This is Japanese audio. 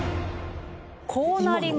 こうなります。